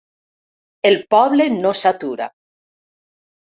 El poble no s'atura!